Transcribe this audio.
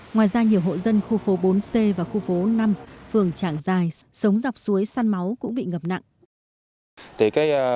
ngoài ra nhiều hộ dân khu phố bốn c và khu phố năm phường trảng dài sống dọc suối săn máu cũng bị ngập nặng